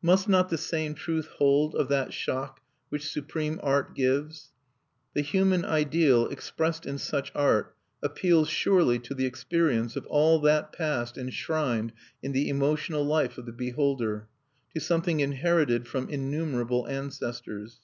Must not the same truth hold of that shock which supreme art gives? The human ideal expressed in such art appeals surely to the experience of all that Past enshrined in the emotional life of the beholder, to something inherited from innumerable ancestors.